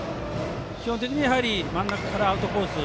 基本的に真ん中からアウトコース